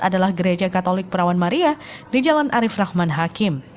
adalah gereja katolik perawan maria di jalan arief rahman hakim